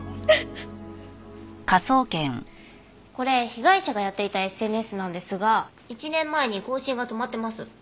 これ被害者がやっていたＳＮＳなんですが１年前に更新が止まってます。